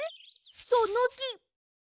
そのとき！